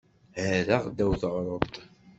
Herraɣ ddaw teɣruḍt.